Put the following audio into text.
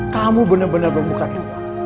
kamu bener bener membuka jiwa